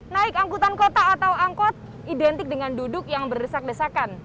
naik angkutan kota atau angkot identik dengan duduk yang berdesak desakan